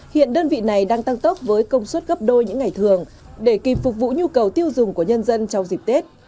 hiện đơn vị này đang tăng tốc với công suất gấp đôi những ngày thường để kịp phục vụ nhu cầu tiêu dùng của nhân dân trong dịp tết